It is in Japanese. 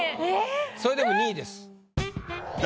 それでも２位です。